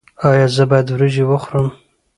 ایا زه باید وریجې وخورم؟